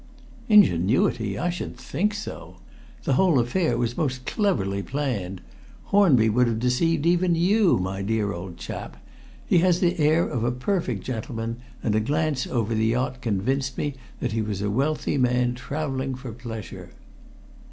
"Ingenuity! I should think so! The whole affair was most cleverly planned. Hornby would have deceived even you, my dear old chap. He had the air of the perfect gentleman, and a glance over the yacht convinced me that he was a wealthy man traveling for pleasure."